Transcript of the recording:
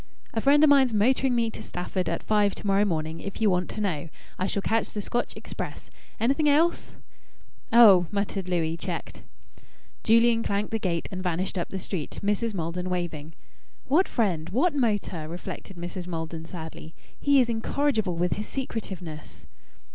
"A friend o' mine's motoring me to Stafford at five to morrow morning, if you want to know. I shall catch the Scotch express. Anything else?" "Oh!" muttered Louis, checked. Julian clanked the gate and vanished up the street, Mrs. Maldon waving. "What friend? What motor?" reflected Mrs. Maldon sadly. "He is incorrigible with his secretiveness."